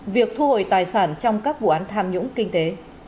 việc thu hồi tài sản trong các vụ án tham nhũng kinh tế